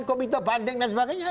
komite banding dan sebagainya